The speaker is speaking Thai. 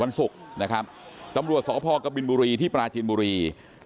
วันศุกร์นะครับตำรวจสพกบินบุรีที่ปราจีนบุรี